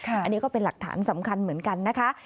อันนี้ก็เป็นหลักฐานสำคัญเหมือนกันนะคะ